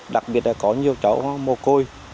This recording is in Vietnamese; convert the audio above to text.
đặc biệt là có nhiều chỗ mồ côi